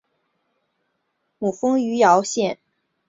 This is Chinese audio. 母封余姚县君。